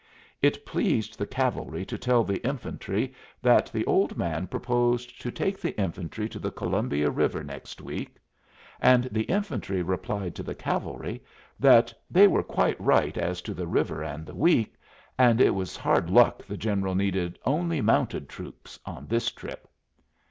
It pleased the cavalry to tell the infantry that the Old Man proposed to take the infantry to the Columbia River next week; and the infantry replied to the cavalry that they were quite right as to the river and the week, and it was hard luck the General needed only mounted troops on this trip.